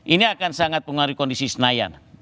ini akan sangat pengaruhi kondisi senayan